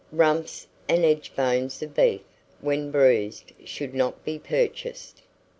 Rumps and edgebones of beef, when bruised, should not be purchased.